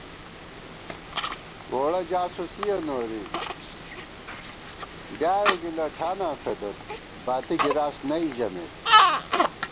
ووڑہ جاسُوسِیَہ نوری ، ڈیائېؤ گِلہ ٹھاناں فېدوت ، باتی گِراس نئ ژمېت